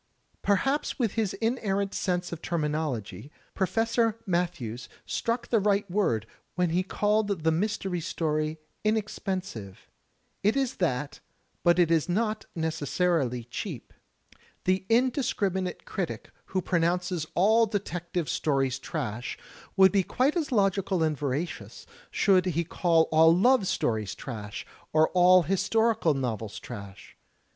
Perhaps with his inerrant sense of terminology. Professor Matthews struck the right word when he called the Mystery Story inexpensive. It is that, but it is not necessarily cheap. 14 THE TECHNIQUE OF THE MYSTERY STORY The indiscriminate critic who pronounces all detective stories trash, would be quite as logical and veracious should he call all love stories trash or all historical novels trash.